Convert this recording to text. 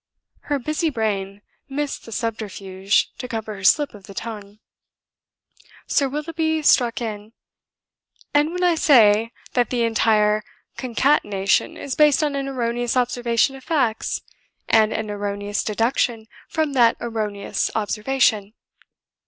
Her busy brain missed the subterfuge to cover her slip of the tongue. Sir Willoughby struck in: "And when I say that the entire concatenation is based on an erroneous observation of facts, and an erroneous deduction from that erroneous observation!